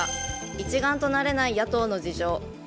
一丸となれない野党の事情。